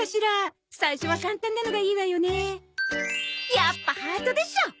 やっぱハートでしょ！